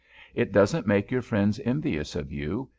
It doesn't make your friends envious of you.